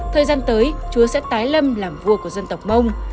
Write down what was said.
thời gian tới chúa sẽ tái lâm làm vua của dân tộc mông